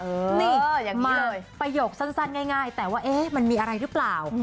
นี่อย่างนี้เลยประโยคสั้นง่ายแต่ว่าเอ๊ะมันมีอะไรหรือเปล่า